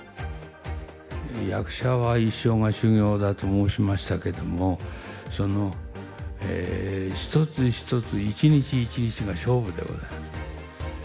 「役者は一生が修業だ」と申しましたけどもその一つ一つ一日一日が勝負でございます。